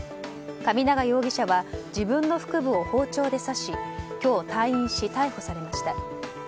神長容疑者は自分の腹部を包丁で刺し今日退院し、逮捕されました。